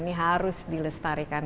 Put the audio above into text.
ini harus dilestarikan